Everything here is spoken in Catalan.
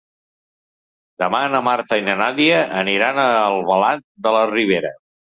Demà na Marta i na Nàdia aniran a Albalat de la Ribera.